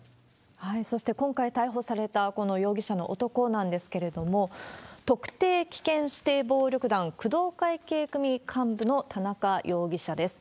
そして、今回逮捕されたこの容疑者の男なんですけれども、特定危険指定暴力団、工藤会系組幹部の田中容疑者です。